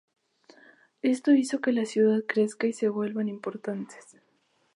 Esto hizo que la ciudad crezca y se vuelven importantes.